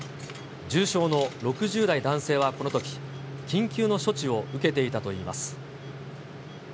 重症の６０代男性はこのとき、緊急の処置を受けていたといいます。